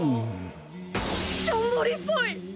しょんぼりっぽい！